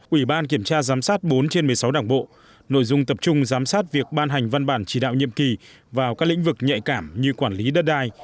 ủy ban kiểm tra giám sát bốn trên một mươi sáu đảng bộ nội dung tập trung giám sát việc ban hành văn bản chỉ đạo nhiệm kỳ vào các lĩnh vực nhạy cảm như quản lý đất đai